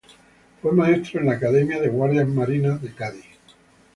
Fue maestro en la academia de guardias marinas de Cádiz.